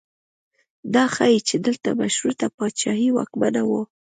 دا ښیي چې دلته مشروطه پاچاهي واکمنه وه.